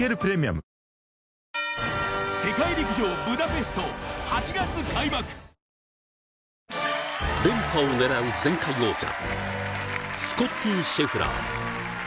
シェフラー、マキロイ連覇を狙う前回王者スコッティ・シェフラー。